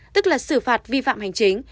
tức là xử phạt vi phạm hành chính